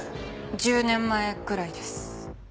１０年前ぐらいです。